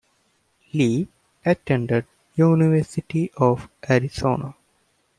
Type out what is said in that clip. Lee attended University of Arizona.